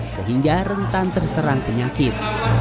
sehingga rentan terserang penyakit